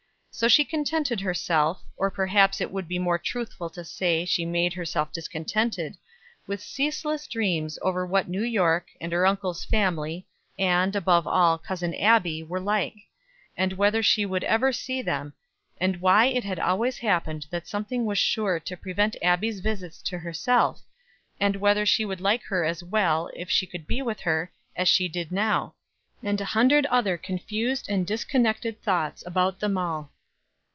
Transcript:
So she contented herself, or perhaps it would be more truthful to say she made herself discontented, with ceaseless dreams over what New York, and her uncle's family, and, above all, Cousin Abbie, were like; and whether she would ever see them; and why it had always happened that something was sure to prevent Abbie's visits to herself; and whether she should like her as well, if she could be with her, as she did now; and a hundred other confused and disconnected thoughts about them all.